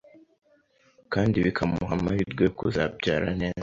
kandi bikamuha amahirwe yo kuzabyara neza.